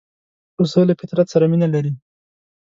پسه له فطرت سره مینه لري.